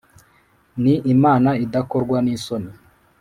Ni Imana idakorwa n isoni